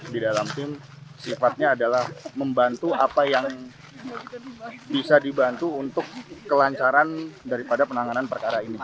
di dalam tim sifatnya adalah membantu apa yang bisa dibantu untuk kelancaran daripada penanganan perkara ini